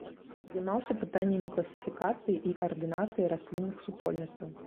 Займаўся пытаннямі класіфікацыі і ардынацыі раслінных супольнасцяў.